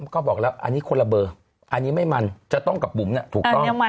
ก็บอกแล้วอันนี้คนละเบอร์อันนี้ไม่มันจะต้องกับบุ๋มถูกต้อง